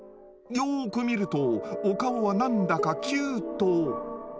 よく見るとお顔は何だかキュート。